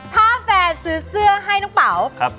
ถ้าแฟนซื้อเสื้อให้น้องเป๋า